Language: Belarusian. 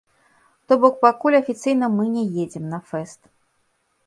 То бок, пакуль афіцыйна мы не едзем на фэст.